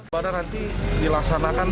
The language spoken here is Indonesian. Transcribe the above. pada nanti dilaksanakan